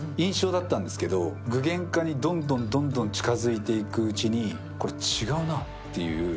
ですけど、具現化にどんどん近づいていくうちに、これ違うなっていう。